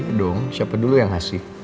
betul dong siapa dulu yang ngasih